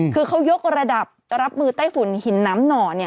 คือเขายกระดับรับมือไต้ฝุ่นหินน้ำหน่อ